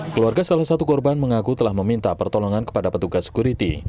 keluarga salah satu korban mengaku telah meminta pertolongan kepada petugas security